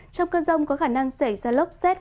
trong cơn rông có khả năng xảy ra lốc xét